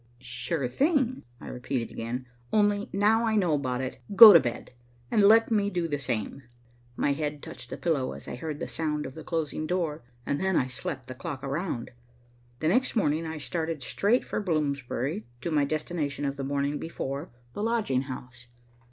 "Sure thing," I repeated again. "Only, now I know about it, go to bed, and let me do the same." My head touched the pillow as I heard the sound of the closing door, and then I slept the clock around. The next morning I started straight for Bloomsbury, to my destination of the morning before, the lodging house.